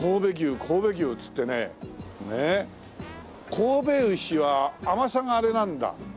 神戸牛は甘さがあれなんだ。